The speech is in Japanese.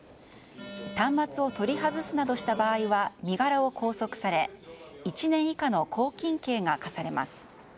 端末を取り外すなどした場合は身柄を拘束され１年以下の拘禁刑が科されます。